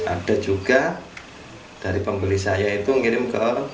ada juga dari pembeli saya itu ngirim ke